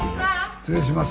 失礼します。